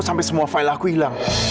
sampai semua file aku hilang